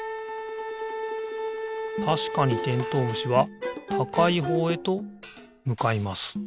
たしかにてんとうむしはたかいほうへとむかいます。